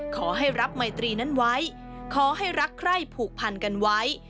ขอให้รับไมตรีนั้นไว้ขอให้รักใคร่ผูกพันกันไว้